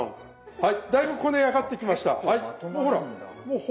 はい。